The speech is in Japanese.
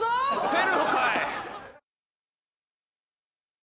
セルフかい！